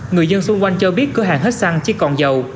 người dân xung quanh cho biết cửa hàng hết xăng chỉ còn dầu